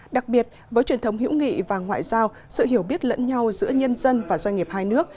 đặc biệt với truyền thống hữu nghị và ngoại giao sự hiểu biết lẫn nhau giữa nhân dân và doanh nghiệp hai nước